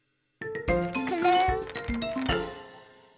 くるん。